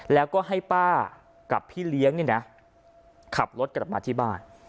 แล้วก็ให้ป้ากับพี่เลี้ยงเนี่ยนะขับรถกลับมาที่บ้าน